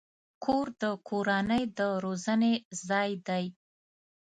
کور د کورنۍ د روزنې ځای دی.